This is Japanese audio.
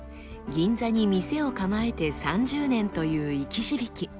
銀座に店を構えて３０年という生き字引。